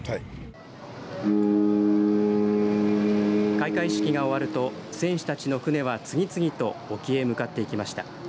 開会式が終わると選手たちの船は次々と沖へ向かっていきました。